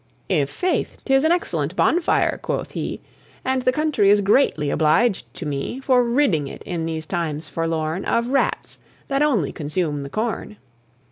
"I' faith, 'tis an excellent bonfire!" quoth he; "And the country is greatly obliged to me For ridding it in these times forlorn Of Rats that only consume the corn."